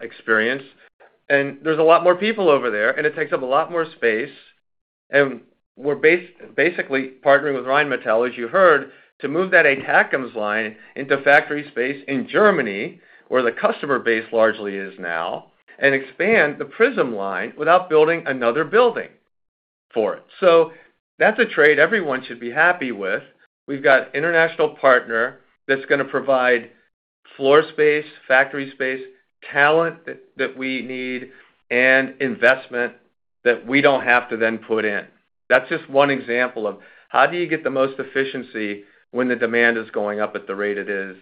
experience. There's a lot more people over there, and it takes up a lot more space. We're basically partnering with Rheinmetall, as you heard, to move that ATACMS line into factory space in Germany, where the customer base largely is now, and expand the PrSM line without building another building for it. That's a trade everyone should be happy with. We've got an international partner that's going to provide floor space, factory space, talent that we need, and investment that we don't have to then put in. That's just one example of how do you get the most efficiency when the demand is going up at the rate it is.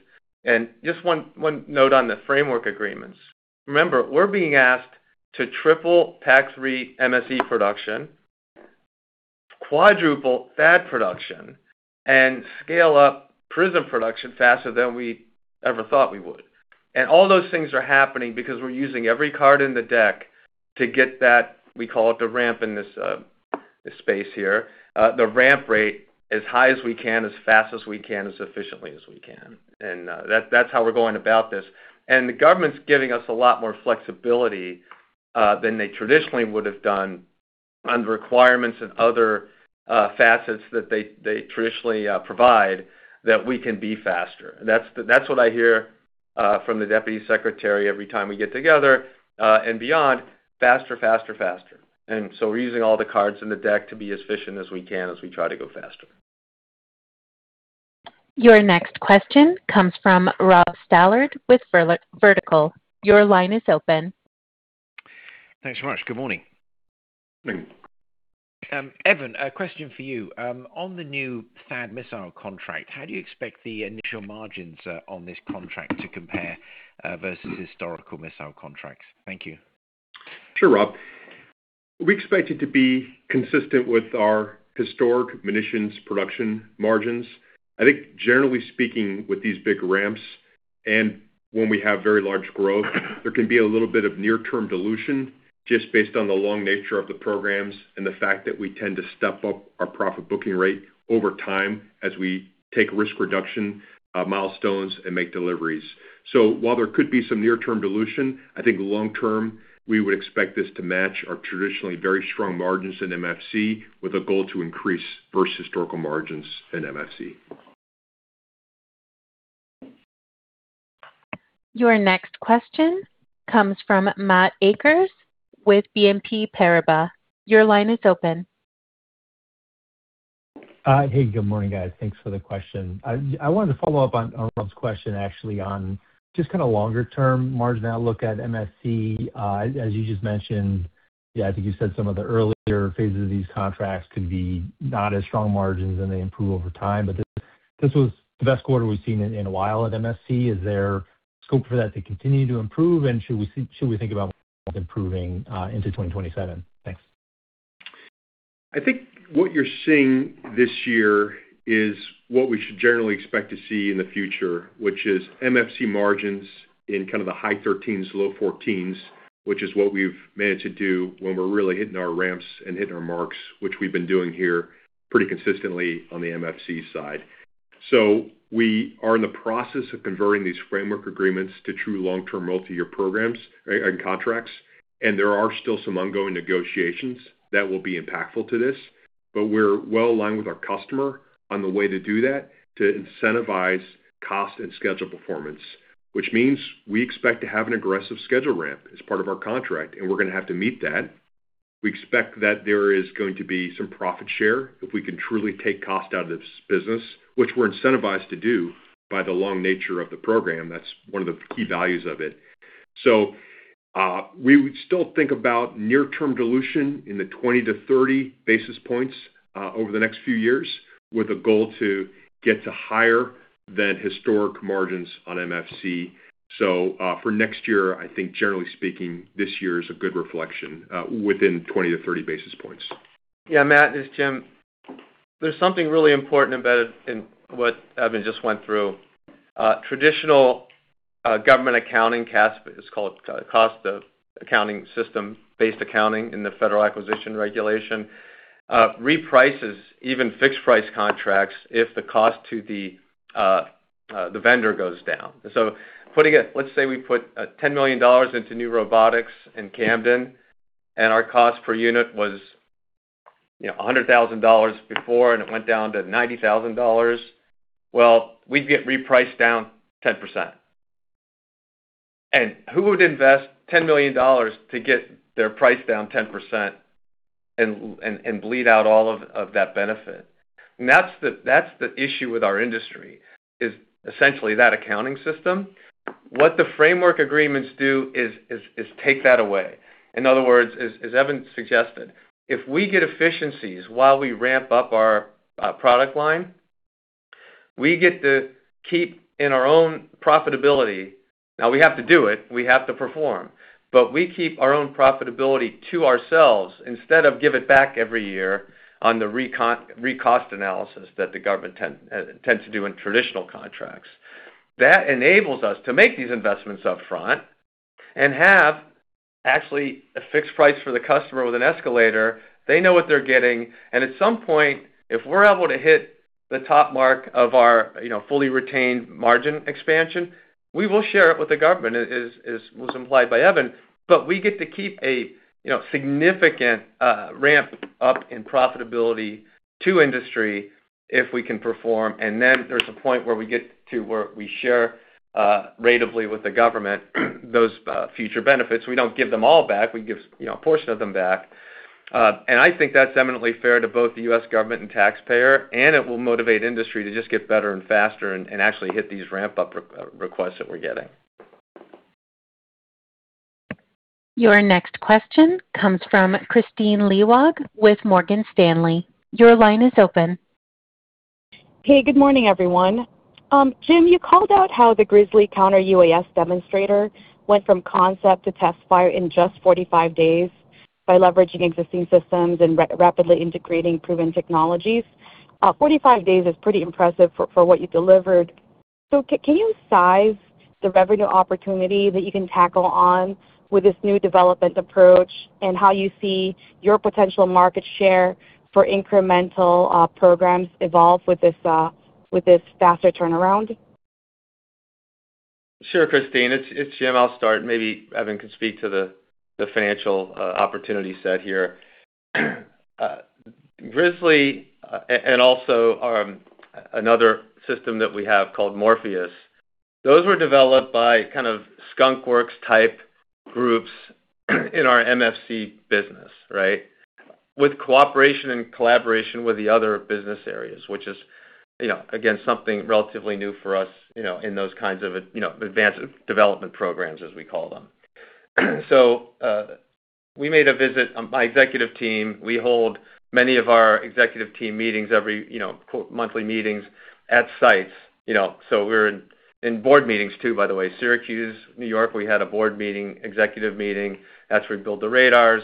Just one note on the framework agreements. Remember, we're being asked to triple PAC-3 MSE production, quadruple THAAD production, and scale up PrSM production faster than we ever thought we would. All those things are happening because we're using every card in the deck to get that, we call it the ramp in this space here, the ramp rate as high as we can, as fast as we can, as efficiently as we can. That's how we're going about this. The government's giving us a lot more flexibility than they traditionally would have done on requirements and other facets that they traditionally provide that we can be faster. That's what I hear from the deputy secretary every time we get together and beyond. Faster, faster. So we're using all the cards in the deck to be as efficient as we can as we try to go faster. Your next question comes from Rob Stallard with Vertical. Your line is open. Thanks very much. Good morning. Good morning. Evan, a question for you. On the new THAAD missile contract, how do you expect the initial margins on this contract to compare versus historical missile contracts? Thank you. Sure, Rob. We expect it to be consistent with our historic munitions production margins. I think generally speaking, with these big ramps, and when we have very large growth, there can be a little bit of near-term dilution just based on the long nature of the programs and the fact that we tend to step up our profit booking rate over time as we take risk reduction milestones and make deliveries. While there could be some near-term dilution, I think long-term, we would expect this to match our traditionally very strong margins in MFC with a goal to increase versus historical margins in MFC. Your next question comes from Matt Akers with BNP Paribas. Your line is open. Hey, good morning, guys. Thanks for the question. I wanted to follow up on Rob's question, actually, on just kind of longer-term margin outlook at MFC. As you just mentioned, yeah, I think you said some of the earlier phases of these contracts could be not as strong margins, and they improve over time. This was the best quarter we've seen in a while at MFC. Is there scope for that to continue to improve? Should we think about improving into 2027? Thanks. I think what you're seeing this year is what we should generally expect to see in the future, which is MFC margins in kind of the high 13s, low 14s, which is what we've managed to do when we're really hitting our ramps and hitting our marks, which we've been doing here pretty consistently on the MFC side. We are in the process of converting these framework agreements to true long-term multi-year programs and contracts, and there are still some ongoing negotiations that will be impactful to this. We're well aligned with our customer on the way to do that to incentivize cost and schedule performance, which means we expect to have an aggressive schedule ramp as part of our contract, and we're going to have to meet that. We expect that there is going to be some profit share if we can truly take cost out of this business, which we're incentivized to do by the long nature of the program. That's one of the key values of it. We would still think about near-term dilution in the 20 to 30 basis points over the next few years with a goal to get to higher than historic margins on MFC. For next year, I think generally speaking, this year is a good reflection within 20 to 30 basis points. Yeah, Matt, it's Jim. There's something really important embedded in what Evan just went through. Traditional government accounting, CASB, it's called cost of accounting system-based accounting in the Federal Acquisition Regulation, reprices even fixed price contracts if the cost to the vendor goes down. Let's say we put $10 million into new robotics in Camden, and our cost per unit was $100,000 before, and it went down to $90,000. Well, we'd get repriced down 10%. Who would invest $10 million to get their price down 10% and bleed out all of that benefit? That's the issue with our industry, is essentially that accounting system. What the framework agreements do is take that away. In other words, as Evan suggested, if we get efficiencies while we ramp up our product line, we get to keep in our own profitability. Now we have to do it, we have to perform, but we keep our own profitability to ourselves instead of give it back every year on the recost analysis that the government tends to do in traditional contracts. That enables us to make these investments up front and have actually a fixed price for the customer with an escalator. They know what they're getting, and at some point, if we're able to hit the top mark of our fully retained margin expansion, we will share it with the government, as was implied by Evan. We get to keep a significant ramp-up in profitability to industry if we can perform. There's a point where we get to where we share ratably with the government those future benefits. We don't give them all back. We give a portion of them back. I think that's eminently fair to both the U.S. government and taxpayer, and it will motivate industry to just get better and faster and actually hit these ramp-up requests that we're getting. Your next question comes from Kristine Liwag with Morgan Stanley. Your line is open. Hey, good morning, everyone. Jim, you called out how the Grizzly Counter-UAS demonstrator went from concept to test fire in just 45 days by leveraging existing systems and rapidly integrating proven technologies. 45 days is pretty impressive for what you delivered. Can you size the revenue opportunity that you can tackle on with this new development approach and how you see your potential market share for incremental programs evolve with this faster turnaround? Sure, Kristine. It's Jim. I'll start, and maybe Evan can speak to the financial opportunity set here. Grizzly and also another system that we have called MORFIUS, those were developed by kind of Skunk Works-type groups in our MFC business, right? With cooperation and collaboration with the other business areas, which is, again, something relatively new for us, in those kinds of advanced development programs, as we call them. We made a visit. My executive team, we hold many of our executive team meetings every, quote, monthly meetings at sites. We're in board meetings too, by the way. Syracuse, New York, we had a board meeting, executive meeting. That's where we build the radars.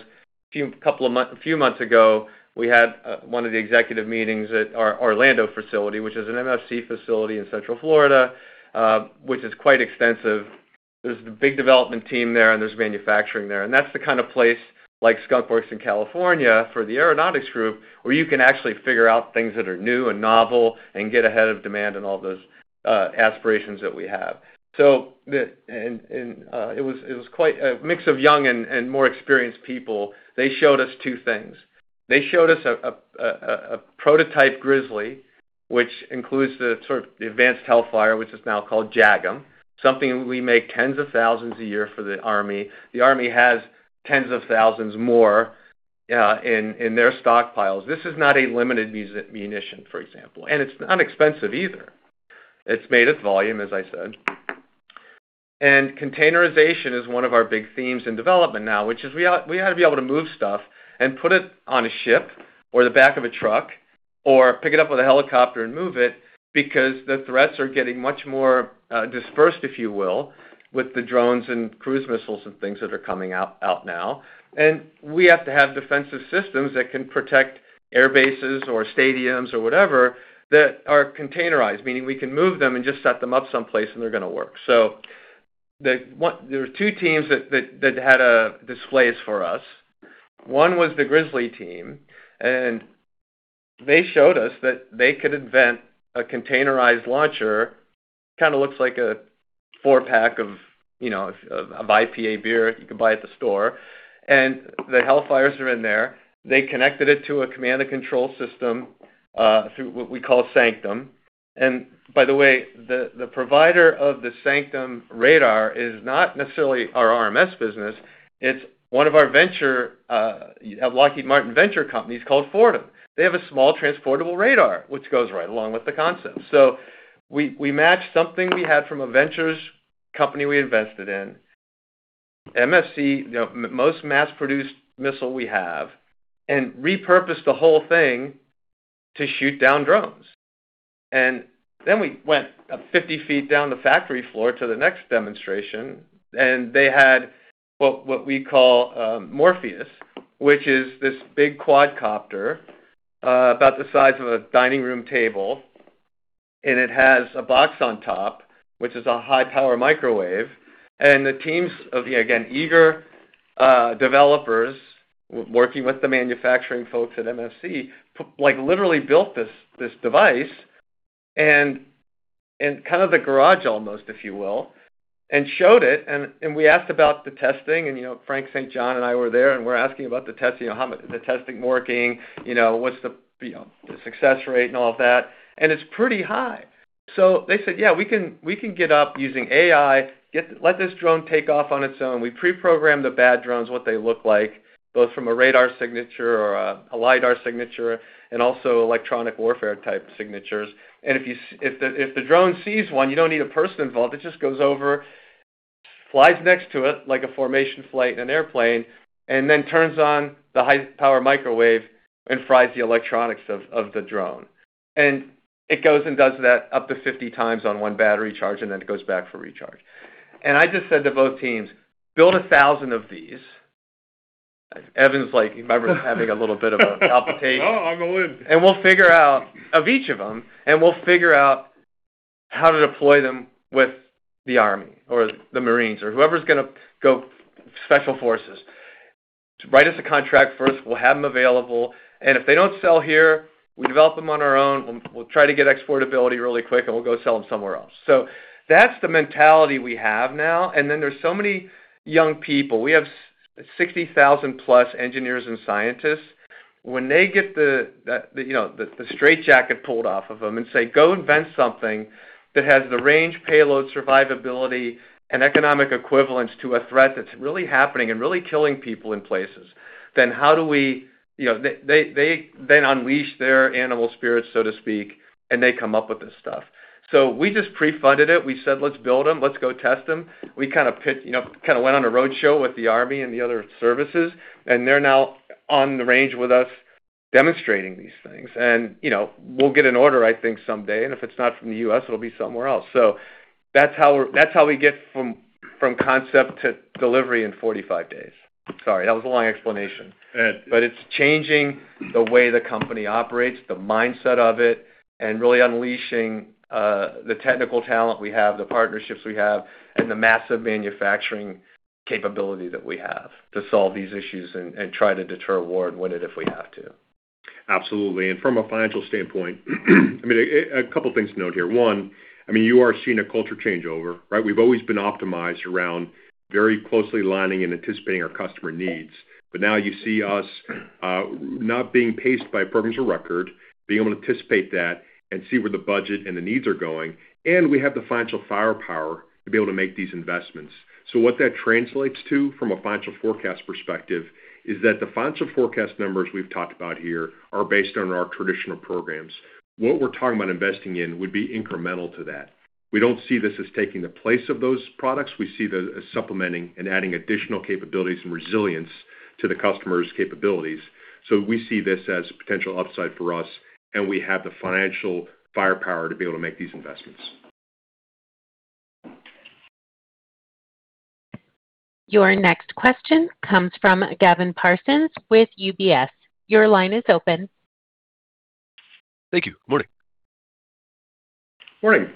A few months ago, we had one of the executive meetings at our Orlando facility, which is an MFC facility in Central Florida, which is quite extensive. There's a big development team there, and there's manufacturing there. That's the kind of place like Skunk Works in California for the Aeronautics group, where you can actually figure out things that are new and novel and get ahead of demand and all those aspirations that we have. It was quite a mix of young and more experienced people. They showed us two things. They showed us a prototype Grizzly, which includes the advanced Hellfire, which is now called JAGM, something we make tens of thousands a year for the Army. The Army has tens of thousands more in their stockpiles. This is not a limited munition, for example. It's inexpensive either. It's made with volume, as I said. Containerization is one of our big themes in development now, which is we ought to be able to move stuff and put it on a ship or the back of a truck or pick it up with a helicopter and move it because the threats are getting much more dispersed, if you will, with the drones and cruise missiles and things that are coming out now. We have to have defensive systems that can protect air bases or stadiums or whatever that are containerized, meaning we can move them and just set them up someplace, and they're going to work. There were two teams that had displays for us. One was the Grizzly team, and they showed us that they could invent a containerized launcher, kind of looks like a four-pack of IPA beer you can buy at the store. The Hellfires are in there. They connected it to a command and control system, through what we call Sanctum. By the way, the provider of the Sanctum radar is not necessarily our RMS business. It's one of our Lockheed Martin Ventures companies called Fortem Technologies. They have a small transportable radar, which goes right along with the concept. We matched something we had from a Ventures company we invested in, MFC, most mass-produced missile we have, and repurposed the whole thing to shoot down drones. Then we went 50 ft down the factory floor to the next demonstration, and they had what we call MORFIUS, which is this big quadcopter about the size of a dining room table, and it has a box on top, which is a high-power microwave. The teams of, again, eager developers working with the manufacturing folks at MFC, literally built this device in kind of the garage almost, if you will, and showed it. We asked about the testing, and Frank St. John and I were there, and we're asking about the testing, how the testing working, what's the success rate and all of that, and it's pretty high. They said, "Yeah, we can get up using AI, let this drone take off on its own." We pre-programmed the bad drones, what they look like, both from a radar signature or a lidar signature, and also electronic warfare type signatures. If the drone sees one, you don't need a person involved. It just goes over Flies next to it like a formation flight in an airplane, and then turns on the high-power microwave and fries the electronics of the drone. It goes and does that up to 50 times on one battery charge, then it goes back for recharge. I just said to both teams, "Build 1,000 of these." Evan's like, he's probably having a little bit of a palpitation. Oh, I'm going to live. Of each of them, we'll figure out how to deploy them with the Army or the Marines or whoever's going to go Special Forces. Write us a contract first, we'll have them available, and if they don't sell here, we develop them on our own. We'll try to get exportability really quick, and we'll go sell them somewhere else. That's the mentality we have now. There's so many young people. We have 60,000+ engineers and scientists. When they get the straitjacket pulled off of them and say, "Go invent something that has the range, payload, survivability, and economic equivalence to a threat that's really happening and really killing people in places," they then unleash their animal spirits, so to speak, and they come up with this stuff. We just pre-funded it. We said, "Let's build them. Let's go test them." We kind of went on a road show with the Army and the other services, they're now on the range with us demonstrating these things. We'll get an order, I think, someday, and if it's not from the U.S., it'll be somewhere else. That's how we get from concept to delivery in 45 days. Sorry, that was a long explanation. That's- It's changing the way the company operates, the mindset of it, and really unleashing the technical talent we have, the partnerships we have, and the massive manufacturing capability that we have to solve these issues and try to deter war and win it if we have to. Absolutely. From a financial standpoint, a couple of things to note here. One, you are seeing a culture changeover, right? We've always been optimized around very closely aligning and anticipating our customer needs. Now you see us not being paced by programs or record, being able to anticipate that and see where the budget and the needs are going. We have the financial firepower to be able to make these investments. What that translates to from a financial forecast perspective is that the financial forecast numbers we've talked about here are based on our traditional programs. What we're talking about investing in would be incremental to that. We don't see this as taking the place of those products. We see that as supplementing and adding additional capabilities and resilience to the customer's capabilities. We see this as a potential upside for us. We have the financial firepower to be able to make these investments. Your next question comes from Gavin Parsons with UBS. Your line is open. Thank you. Morning. Morning.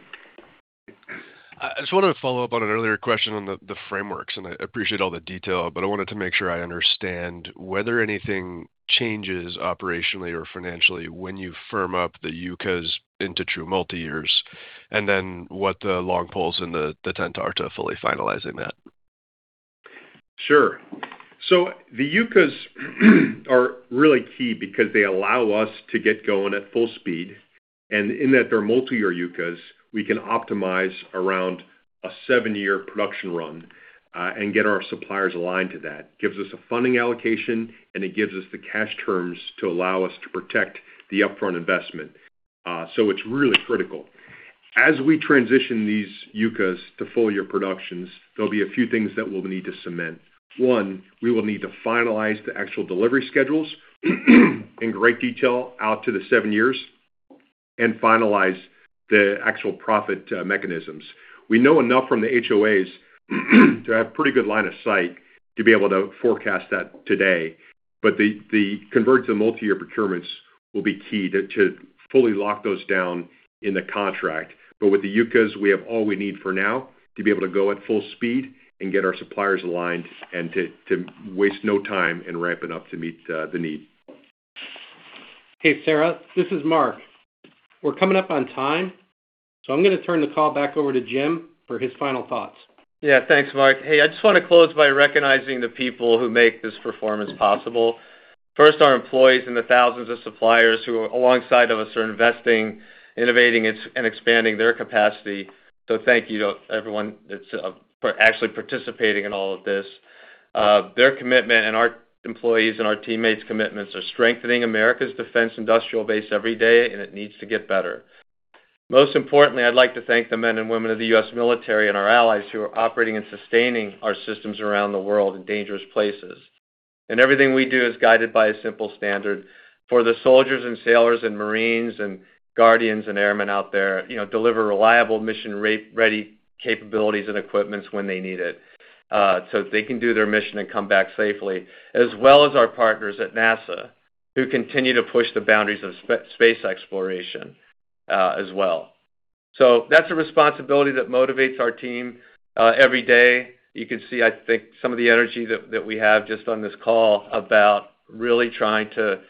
I just wanted to follow up on an earlier question on the frameworks. I appreciate all the detail, but I wanted to make sure I understand whether anything changes operationally or financially when you firm up the UCAS into true multi-years. What the long poles in the tent are to fully finalizing that. Sure. The UCAS are really key because they allow us to get going at full speed. In that they're multi-year UCAS, we can optimize around a seven-year production run and get our suppliers aligned to that. It gives us a funding allocation, and it gives us the cash terms to allow us to protect the upfront investment. It's really critical. As we transition these UCAS to full-year productions, there'll be a few things that we'll need to cement. One, we will need to finalize the actual delivery schedules in great detail out to the seven years and finalize the actual profit mechanisms. We know enough from the HOAs to have pretty good line of sight to be able to forecast that today. The convert to multi-year procurements will be key to fully lock those down in the contract. With the UCAS, we have all we need for now to be able to go at full speed and get our suppliers aligned and to waste no time in ramping up to meet the need. Hey, Sarah, this is Mark. We're coming up on time. I'm going to turn the call back over to Jim for his final thoughts. Thanks, Mark. I just want to close by recognizing the people who make this performance possible. First, our employees and the thousands of suppliers who are alongside of us are investing, innovating, and expanding their capacity. Thank you to everyone that's actually participating in all of this. Their commitment and our employees' and our teammates' commitments are strengthening America's defense industrial base every day, and it needs to get better. Most importantly, I'd like to thank the men and women of the U.S. military and our allies who are operating and sustaining our systems around the world in dangerous places. Everything we do is guided by a simple standard for the soldiers and sailors and marines and guardians and airmen out there, deliver reliable mission-ready capabilities and equipment when they need it so that they can do their mission and come back safely, as well as our partners at NASA, who continue to push the boundaries of space exploration as well. That's a responsibility that motivates our team every day. You can see, I think, some of the energy that we have just on this call about really trying to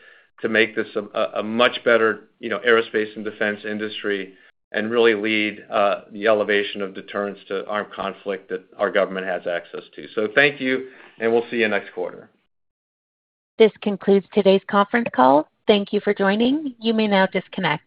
make this a much better aerospace and defense industry and really lead the elevation of deterrence to armed conflict that our government has access to. Thank you, and we'll see you next quarter. This concludes today's conference call. Thank you for joining. You may now disconnect.